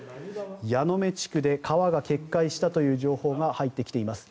矢目地区で川が決壊したという情報が入ってきています。